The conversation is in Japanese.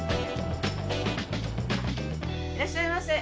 いらっしゃいませ。